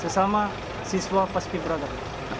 siswa pasti beragam